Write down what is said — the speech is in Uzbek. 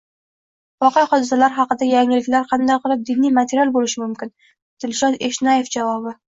Voqea-hodisalar haqidagi yangiliklar qanday qilib diniy material bo‘lishi mumkin? Dilshod Eshnayev javobi